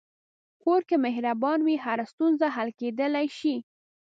کور که مهربان وي، هره ستونزه حل کېدلی شي.